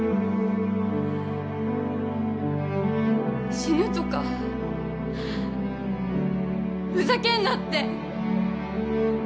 死ぬとかふざけんなって！